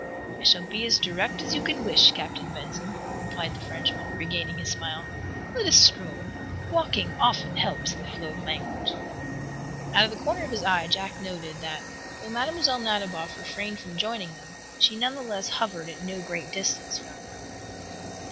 "I shall be as direct as you can wish, Captain Benson," replied the Frenchman, regaining his smile. "Let us stroll. Walking often helps the flow of language." Out of the corner of his eye Jack noted that, though Mlle. Nadiboff refrained from joining them, she none the less hovered at no great distance from them.